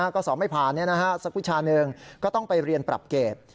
ก็สอบไม่ผ่านสักวิชาหนึ่งก็ต้องไปเรียนปรับเกรด